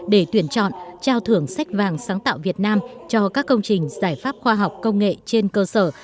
để tuyển chọn trao thưởng sách vàng sáng tạo việt nam cho các công trình giải pháp khoa học công nghệ trên cơ sở